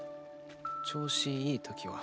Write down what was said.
調子いい時は。